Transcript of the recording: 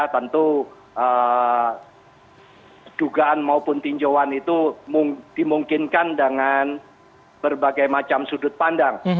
tentu dugaan maupun tinjauan itu dimungkinkan dengan berbagai macam sudut pandang